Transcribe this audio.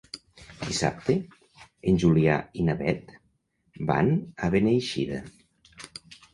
Dissabte en Julià i na Beth van a Beneixida.